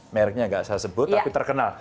merknya gak saya sebut tapi terkenal